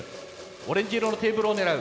オレンジ色のテーブルを狙う。